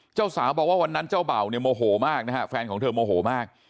เจ้าสาวบอกว่าวันนั้นเจ้าเบ่าเนี่ยโมโหมากนะฮะแฟนของเธอโมโหมาก